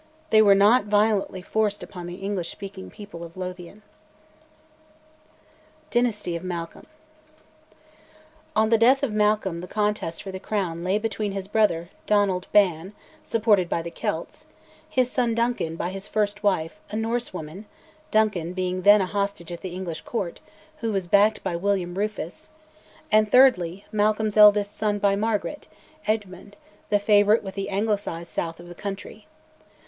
They were not violently forced upon the English speaking people of Lothian. DYNASTY OF MALCOLM. On the death of Malcolm the contest for the Crown lay between his brother, Donald Ban, supported by the Celts; his son Duncan by his first wife, a Norse woman (Duncan being then a hostage at the English Court, who was backed by William Rufus); and thirdly, Malcolm's eldest son by Margaret, Eadmund, the favourite with the anglicised south of the country.